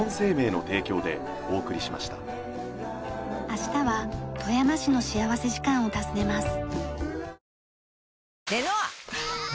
明日は富山市の幸福時間を訪ねます。